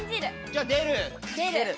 じゃあ出る。